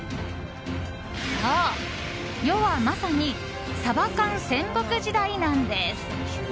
そう、世はまさにサバ缶戦国時代なのです。